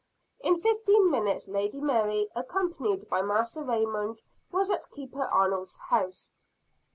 In fifteen minutes, Lady Mary, accompanied by Master Raymond, was at Keeper Arnold's house.